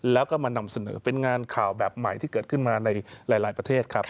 แล้วก็มานำเสนอเป็นงานข่าวแบบใหม่ที่เกิดขึ้นมาในหลายประเทศครับ